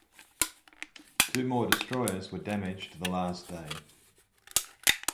Two more destroyers were damaged the last day.